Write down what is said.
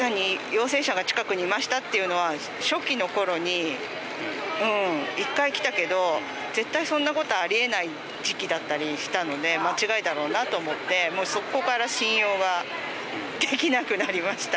「陽性者が近くにいました」っていうのは初期の頃にうん１回きたけど絶対そんな事はあり得ない時期だったりしたので間違いだろうなと思ってもうそこから信用ができなくなりましたけど。